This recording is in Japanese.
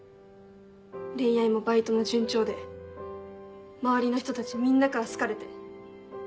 恋愛もバイトも順調で周りの人たちみんなから好かれて。